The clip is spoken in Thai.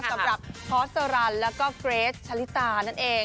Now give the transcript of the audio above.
สำหรับพอสรันแล้วก็เกรทชะลิตานั่นเอง